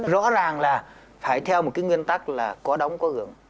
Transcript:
rõ ràng là phải theo một cái nguyên tắc là có đóng có gương